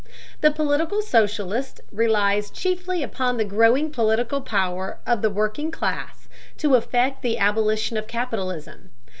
The political socialist relies chiefly upon the growing political power of the working class to effect the abolition of capitalism.